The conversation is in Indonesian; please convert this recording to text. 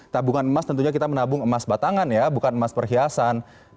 tabungan emas tentunya kita menabung emas batangan ya bukan emas perhiasan